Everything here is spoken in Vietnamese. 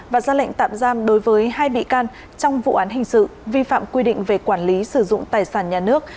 và ra lệnh tạm giam đối với hai bị can trong vụ án hình sự vi phạm quy định về quản lý sử dụng tài sản nhà nước